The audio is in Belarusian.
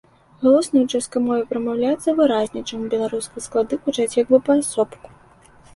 Галосныя ў чэшскай мове прамаўляюцца выразней, чым у беларускай, склады гучаць як бы паасобку.